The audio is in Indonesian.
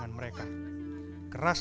dan dia benar